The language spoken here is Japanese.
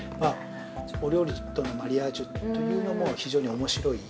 お料理とのマリアージュというのも非常におもしろい。